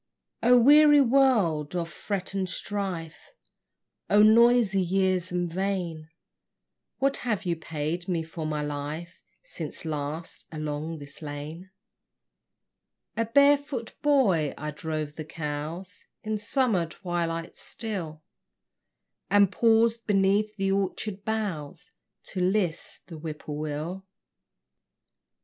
O weary world of fret and strife, O noisy years and vain, What have you paid me for my life Since last, along this lane, A barefoot boy, I drove the cows In summer twilights still, And paused beneath the orchard boughs To list the whippoorwill?